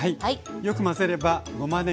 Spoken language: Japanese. よく混ぜればごまねぎじょうゆ